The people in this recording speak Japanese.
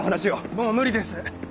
もう無理です。